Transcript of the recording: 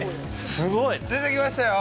すごい。出てきましたよ。